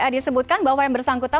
menurutkan bahwa yang bersangkutan